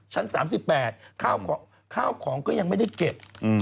ชั้น๓๘ข้าวของก็ยังไม่ได้เก็บ